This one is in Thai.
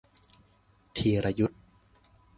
ธีรยุทธ